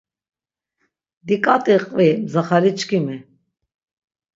Diǩati qvi mzaxaliçkimi.